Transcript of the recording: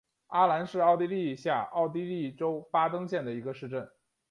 阿兰是奥地利下奥地利州巴登县的一个市镇。